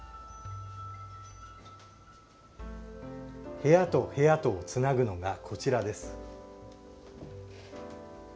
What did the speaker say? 部屋と部屋とをつなぐのがこちらです。